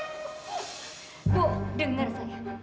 sekali lagi bu pergi dari rumah saya pergi